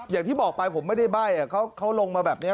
แต่ที่บอกไปผมไม่ได้ใบ่อ่ะเขาลงมาแบบนี้